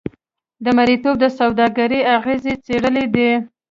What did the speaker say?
د مریتوب د سوداګرۍ اغېزې څېړلې دي.